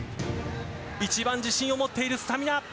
一番自信を持っているスタミナ。